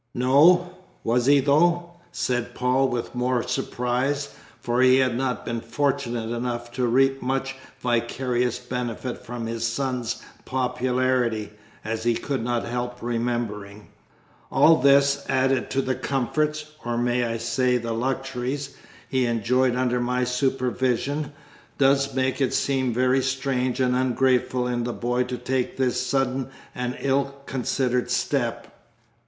"No, was he though?" said Paul with more surprise, for he had not been fortunate enough to reap much vicarious benefit from his son's popularity, as he could not help remembering. "All this, added to the comforts (or, may I say, the luxuries?) he enjoyed under my supervision, does make it seem very strange and ungrateful in the boy to take this sudden and ill considered step."